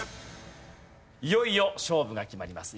いよいよ勝負が決まります。